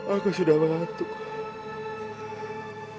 aku sudah mengantuk